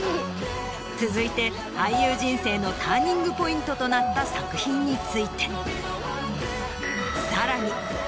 続いて俳優人生のターニングポイントとなった作品について。